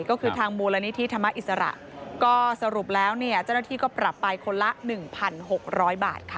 ก็คือทางบูรณิธิธรรมอิสระก็สรุปแล้วเนี่ยเจ้าหน้าที่ก็ปรับไปคนละหนึ่งพันหกร้อยบาทค่ะ